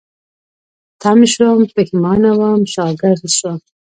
تم شوم، پيښمانه وم، شاګرځ شوم